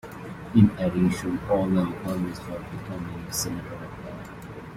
In addition, all the requirements for becoming a Senator apply.